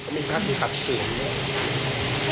มีท่านที่ขัดขื่น